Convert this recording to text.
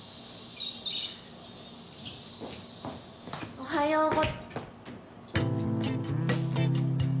おはようご。